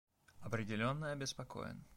Определенно обеспокоен.